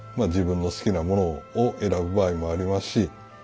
自分の好きなものを選ぶ場合もありますし。